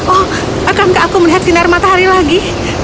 oh akankah aku melihat sinar matahari lagi